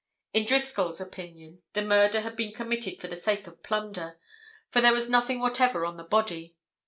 In Driscoll's opinion, the murder had been committed for the sake of plunder. For there was nothing whatever on the body.